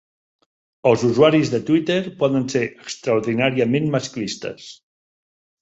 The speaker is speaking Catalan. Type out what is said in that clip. Els usuaris de Twitter poden ser extraordinàriament masclistes.